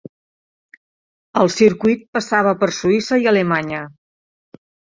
El circuit passava per Suïssa i Alemanya.